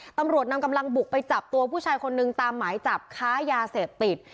ตำรวจนำกำลังบุกไปจับตัวผู้ชายคนนึงตามหมายจับค้ายาเสพติด